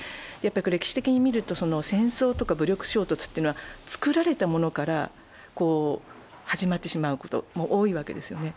歴史的に見ると戦争とか武力衝突というのはつくられたものから始まってしまうことも多いわけですね。